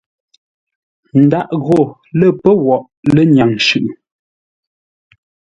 Ndaʼ gho lə́ pə́ woghʼ lənyâŋ shʉʼʉ.